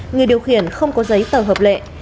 người điều khiển không có giấy tờ hợp lệ